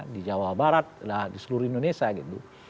di jawa barat lah di seluruh indonesia gitu